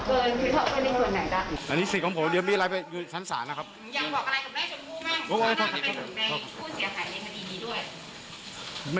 ตกลงพี่ทำอาชีพเป็นไงครับพี่ทำอาชีพเป็นไงครับพี่ทำอาชีพเป็นไงครับ